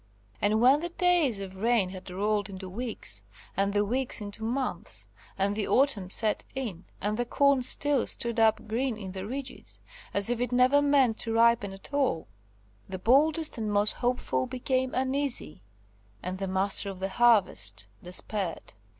And when the days of rain had rolled into weeks, and the weeks into months, and the autumn set in, and the corn still stood up green in the ridges, as if it never meant to ripen at all, the boldest and most hopeful became uneasy, and the Master of the Harvest despaired.